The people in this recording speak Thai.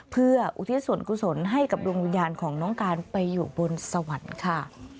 เพื่ออุทิศส่วนกุศลให้กับดวงวิญญาณของน้องการไปอยู่บนสวรรค์ค่ะ